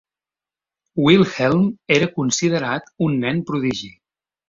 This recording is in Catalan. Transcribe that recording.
Wilhelmj era considerat un nen prodigi.